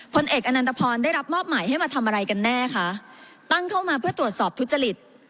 พลเอกอนันตพรได้รับมอบหมายให้มาทำอะไรกันแน่คะตั้งเข้ามาเพื่อตรวจสอบทุจริต